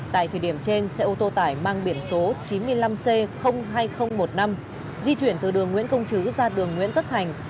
tại thời điểm trên xe ô tô tải mang biển số chín mươi năm c hai nghìn một mươi năm di chuyển từ đường nguyễn công chứ ra đường nguyễn tất thành